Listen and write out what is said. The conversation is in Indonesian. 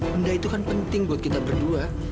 benda itu kan penting buat kita berdua